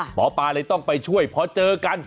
หมอปลาเลยต้องไปช่วยพอเจอกัน